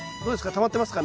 たまってますか？